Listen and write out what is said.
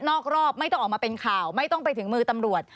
รอบไม่ต้องออกมาเป็นข่าวไม่ต้องไปถึงมือตำรวจ